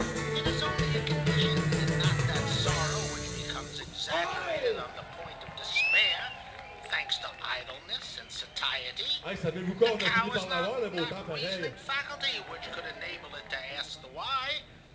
It is only a condition, and not that sorrow which becomes exaggerated to the point of despair, thanks to idleness and satiety. The cow has not that reasoning faculty which would enable it to ask the why.